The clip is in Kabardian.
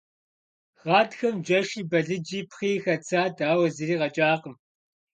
Гъатхэм джэши, балыджи, пхъыи хэтсат, ауэ зыри къэкӏакъым.